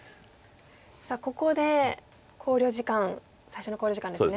さあここで考慮時間最初の考慮時間ですね。